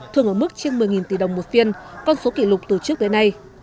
thường ở mức trên một mươi tỷ đồng một phiên con số kỷ lục từ trước tới nay